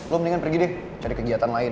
lo mendingan pergi deh cari kegiatan lain